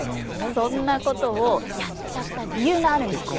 そんなことをやっちゃった理由があるんですよ。